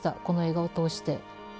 この映画を通して。